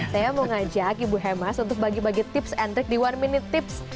saya mau ngajak ibu hemas untuk bagi bagi tips and trick di one minute tips